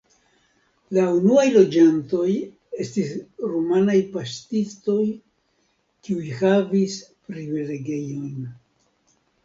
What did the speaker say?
La unuaj loĝantoj estis rumanaj paŝtistoj, kiuj havis privilegiojn.